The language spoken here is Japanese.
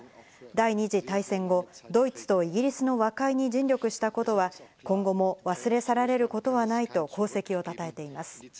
第二次大戦後、ドイツとイギリスの和解に尽力したことは今後も忘れ去られることはないと功績をたたえています。